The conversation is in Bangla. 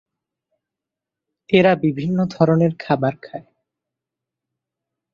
এরা বিভিন্ন ধরনের খাবার খায়।